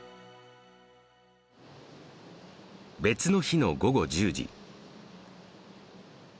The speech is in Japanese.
別の日の午後１０時。